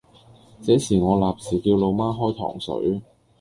這時我立時叫老媽開糖水